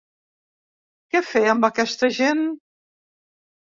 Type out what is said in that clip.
Què fer amb aquesta gent?